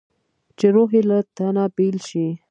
چې روح یې له تنه بېل شي.